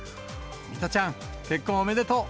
水卜ちゃん、結婚おめでとう！